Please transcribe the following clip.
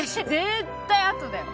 絶対あとだよ！